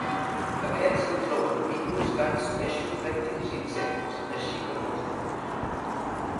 Aquestes inclouen micos, gats, peixos, rèptils, i insectes; així com molts altres.